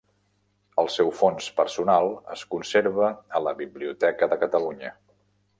El seu fons personal es conserva a la Biblioteca de Catalunya.